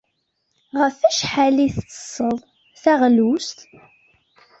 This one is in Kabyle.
Ɣef wacḥal ay tettessed taɣlust?